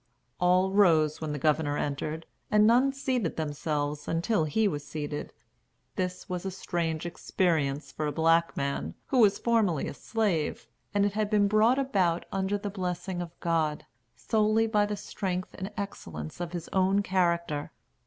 All rose when the Governor entered, and none seated themselves until he was seated. This was a strange experience for a black man, who was formerly a slave; and it had been brought about, under the blessing of God, solely by the strength and excellence of his own character.